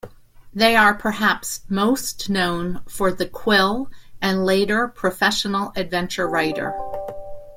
They are perhaps most known for "The Quill" and the later "Professional Adventure Writer".